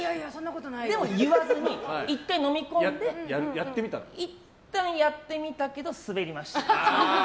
でも言わずに、１回のみ込んでいったんやってみたけどスベりました。